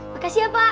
makasih ya pak